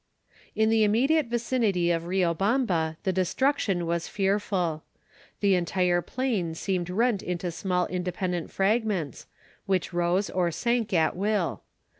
In the immediate vicinity of Riobamba, the destruction was fearful. The entire plain seemed rent into small independent fragments, which rose or sank at will.